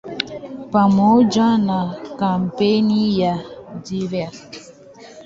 Pamoja na kampeni ya "Divest!